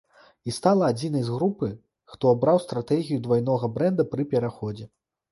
І стала адзінай з групы, хто абраў стратэгію двайнога брэнда пры пераходзе.